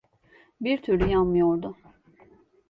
Bir türlü yanmıyordu.